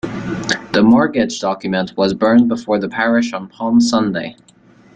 The mortgage document was burned before the Parish on Palm Sunday.